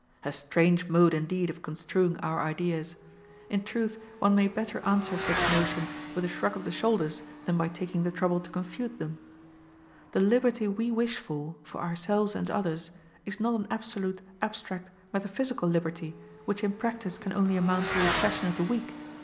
A strange mode indeed of construing our ideas! In truth, one may better answer such notions with a shrug of the shoulders than by taking the trouble to confute them. The liberty we wish for, for ourselves and others, is not an absolute, abstract, metaphysical liberty, which in practice can only amount to the oppression of the weak.